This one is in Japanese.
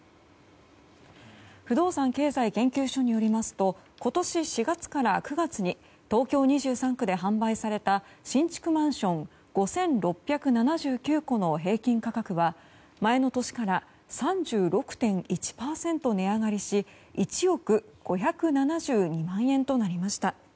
不動産経済研究所によりますと今年４月から９月に東京２３区で販売された新築マンション５６７９戸の平均価格は前の年から３６．１％値上がりし１億５７２万円となりました。